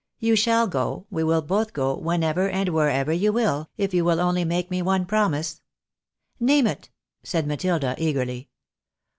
You shall go, we will both go whenever and wherever you will, if you will only make me one promise." " Name it," said Matilda, eagerly.